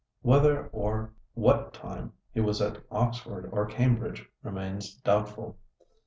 Whether or what time he was at Oxford or Cambridge remains doubtful.